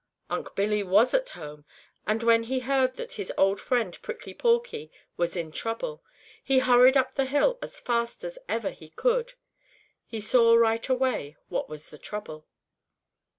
Unc' Billy was at home, and when he heard that his old friend Prickly Porky was in trouble, he hurried up the hill as fast as ever he could. He saw right away what was the trouble.